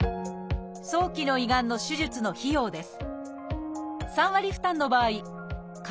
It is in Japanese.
早期の胃がんの手術の費用です